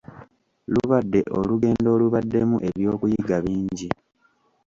Lubadde olugendo olubaddemu eby'okuyiga bingi.